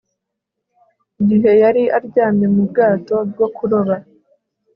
igihe yari aryamye mu bwato bwo kuroba